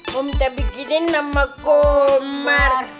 momi terbikinin nama komar